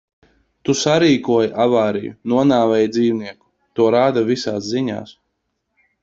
Tu sarīkoji avāriju, nonāvēji dzīvnieku. To rāda visās ziņās.